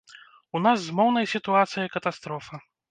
У нас з моўнай сітуацыяй катастрофа.